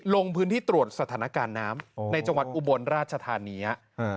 ลงพื้นที่ตรวจสถานการณ์น้ำในจังหวัดอุบลราชธานี